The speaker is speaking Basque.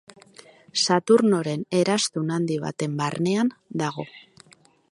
Saturnoren eraztun handi baten barnean dago.